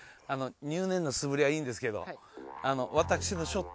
入念な素振りはいいんですけど。